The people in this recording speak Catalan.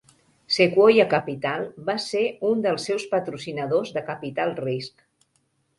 Sequoia Capital va ser un dels seus patrocinadors de capital risc.